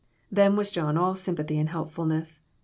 Then was John all sympathy and helpfulness.